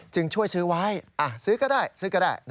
ช่วยซื้อไว้ซื้อก็ได้ซื้อก็ได้